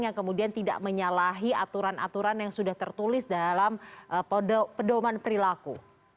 yang kemudian tidak menyalahi aturan aturan yang sudah tertulis dalam pedoman perilaku